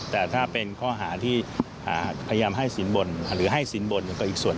แต่ถ้าเป็นข้อหาที่พยายามให้สินบนหรือให้สินบนก็อีกส่วน